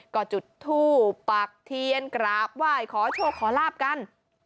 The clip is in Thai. ก็จุดทู่ปักเทียนกราฟว่ายขอโชคขอราบกัน